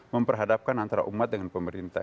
memperhadapkan antara umat dengan pemerintah